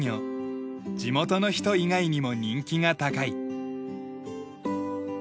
地元の人以外にも人気が高い。